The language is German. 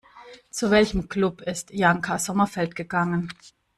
Zu welchem Club ist Janka Sommerfeld gegangen?